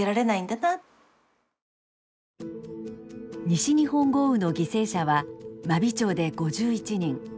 西日本豪雨の犠牲者は真備町で５１人。